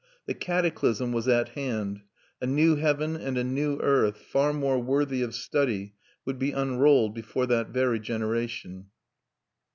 The cataclysm was at hand; a new heaven and a new earth far more worthy of study would be unrolled before that very generation.